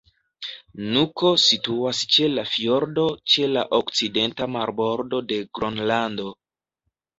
Nuko situas ĉe la fjordo ĉe la okcidenta marbordo de Gronlando.